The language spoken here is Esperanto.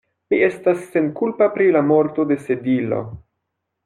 Mi estas senkulpa pri la morto de Sedilo.